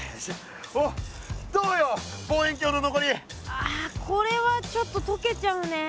あこれはちょっと溶けちゃうね。